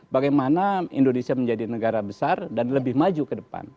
bagaimana indonesia menjadi negara besar dan lebih maju ke depan